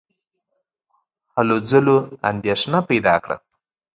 هلو ځلو اندېښنه پیدا کړه.